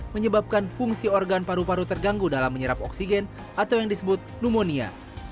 menyebabkan fungsi organ paru paru terganggu dalam menyerap oksigen atau yang disebut pneumonia